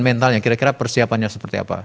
mentalnya kira kira persiapannya seperti apa